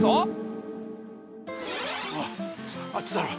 あっちだろ？